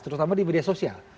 terutama di media sosial